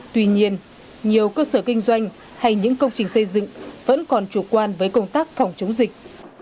tuy nhiên nhiều cơ sở kinh doanh hay những công trình xây dựng vẫn còn chủ quan với công tác phòng chống dịch